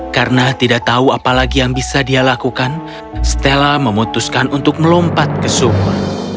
karena tidak tahu apa lagi yang bisa dia lakukan stella memutuskan untuk melompat ke sumur